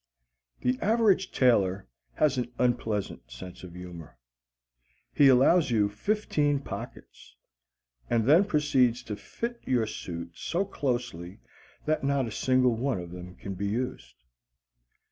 The average tailor has an unpleasant sense of humor. He allows you fifteen pockets, and then proceeds to fit your suit so closely that not a single one of them can be used.